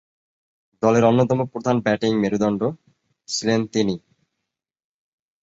দলের অন্যতম প্রধান ব্যাটিং মেরুদণ্ড ছিলেন তিনি।